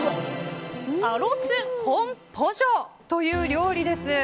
アロス・コン・ポジョという料理です。